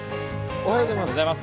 おはようございます。